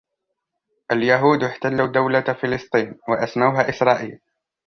اليهود احتلوا دولة فلسطين و أسموها إسرائيل